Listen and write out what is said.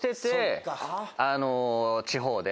地方で。